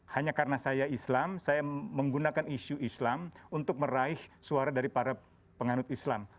hanya karena saya islam saya menggunakan isu islam untuk meraih suara dari para penganut islam